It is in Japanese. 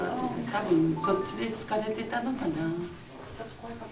多分そっちで疲れてたのかな。